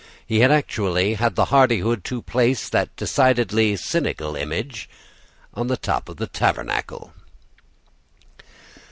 He had actually had the hardihood to place that decidedly cynical image on the top of the tabernacle!